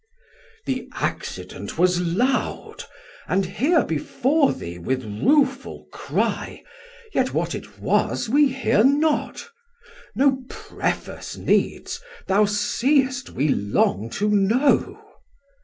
Man: The accident was loud, & here before thee With rueful cry, yet what it was we hear not, No Preface needs, thou seest we long to know.